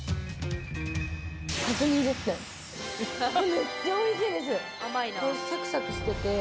めっちゃおいしいです！